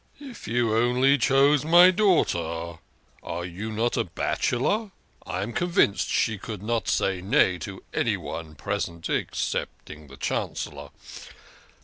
" If you only chose my daughter. Are you not a bach elor? I am convinced she could not say nay to anyone present excepting the Chancellor.